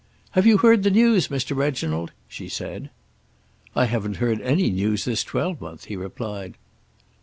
"Have you heard the news, Mr. Reginald?" she said. "I haven't heard any news this twelvemonth," he replied.